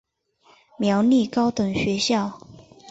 苗栗高等学校